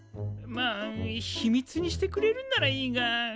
まあ秘密にしてくれるんならいいが。